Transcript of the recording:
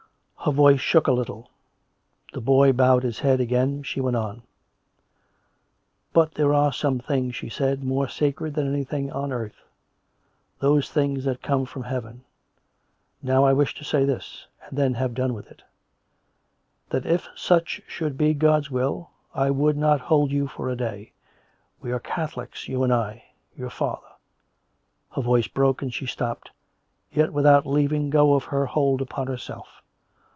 Her voice shook a little. The boy bowed his head again. She went on: " But there are some things," she said, " more sacred than anything on earth — those things that come from heaven. Now, I wish to say this — and then have done with it: that if such should be God's will, I would not hold you for a day. We are Catholics, you and I. ... Your father " Her voice broke; and she stopped; yet without leaving go of her hold upon herself.